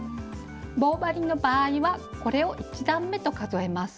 棒針の場合はこれを１段めと数えます。